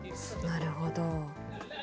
なるほど。